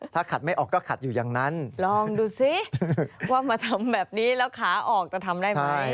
ว่ามาทำแบบนี้แล้วค้าออกจะทำได้ไหม